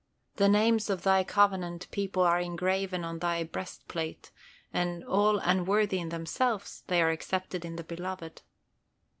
The names of Thy covenant people are engraven on Thy breastplate, and, all unworthy in themselves, they are accepted in the Beloved.